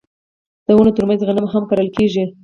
د ونو ترمنځ غنم هم کرل کیږي.